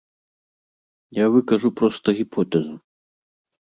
Я выкажу проста гіпотэзу.